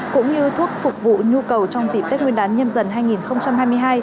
cũng như thuốc phục vụ nhu cầu trong dịp tết nguyên đán nhâm dần hai nghìn hai mươi hai